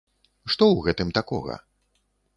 Што ў гэтым такога?